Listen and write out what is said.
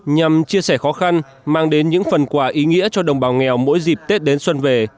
nhằm chia sẻ khó khăn mang đến những phần quà ý nghĩa cho đồng bào nghèo mỗi dịp tết đến xuân về